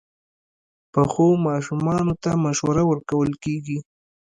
پخو ماشومانو ته مشوره ورکول کېږي